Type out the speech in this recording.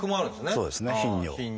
そうですね「頻尿」。